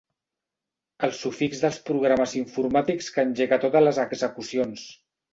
El sufix dels programes informàtics que engega totes les execucions.